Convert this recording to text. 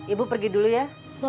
ibu pergi dulu ya